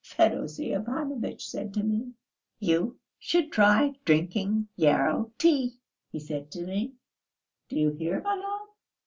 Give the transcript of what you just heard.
Fedosey Ivanovitch said to me: 'You should try drinking yarrow tea,' he said to me; do you hear, my love?"